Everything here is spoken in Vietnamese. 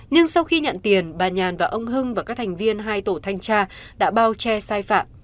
nhưng sau khi nhận tiền bà nhàn và ông hưng và các thành viên hai tổ thanh tra đã bao che sai phạm